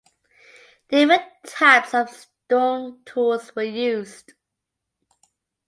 Different types of stone tools were used.